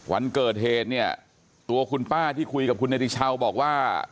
วันเกิดเหตุเนี่ยตัวคุณป้าที่คุยกับคุณเนติชาวบอกว่า